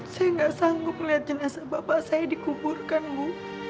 saya nggak sanggup melihat jenazah bapak saya dikuburkan bu